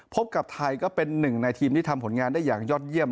พบกับไทยก็เป็นหนึ่งในทีมที่ทำผลงานได้อย่างยอดเยี่ยม